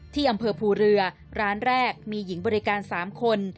ที่อำเภอภูเรือร้านแรกมีหญิงบริการ๓คน